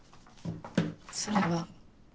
それは。